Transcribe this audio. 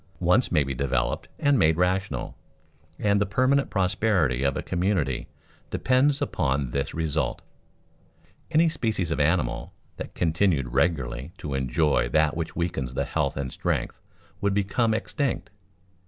_ Wants may be developed and made rational, and the permanent prosperity of a community depends upon this result. Any species of animal that continued regularly to enjoy that which weakens the health and strength would become extinct.